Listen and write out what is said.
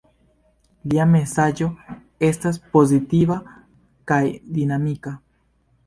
Lia mesaĝo estas pozitiva kaj dinamika.